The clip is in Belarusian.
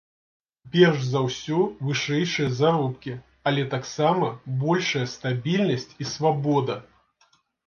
Перш за ўсё вышэйшыя заробкі, але таксама большая стабільнасць і свабода.